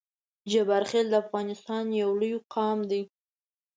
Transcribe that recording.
جبارخیل د افغانستان یو لوی قام دی